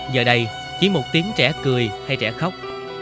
giờ đây chỉ một tiếng trẻ cười hay trẻ khóc